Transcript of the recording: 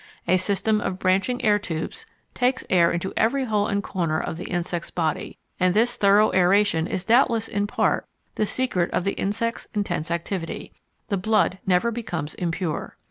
A system of branching air tubes takes air into every hole and corner of the insect's body, and this thorough aeration is doubtless in part the secret of the insect's intense activity. The blood never becomes impure.